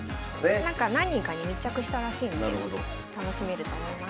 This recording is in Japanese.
何人かに密着したらしいので楽しめると思います。